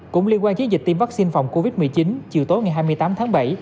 cũng liên quan chiến dịch tiêm vaccine phòng covid một mươi chín chiều tối ngày hai mươi tám tháng bảy